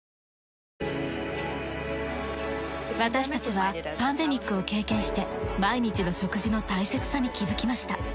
私たちはパンデミックを経験して毎日の食事の大切さに気づきました。